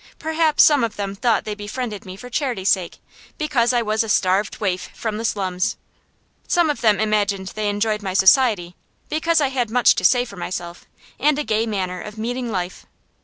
Perhaps some of them thought they befriended me for charity's sake, because I was a starved waif from the slums. Some of them imagined they enjoyed my society, because I had much to say for myself, and a gay manner of meeting life.